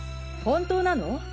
本当なの？